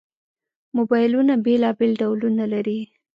موبایلونه بېلابېل ډولونه لري.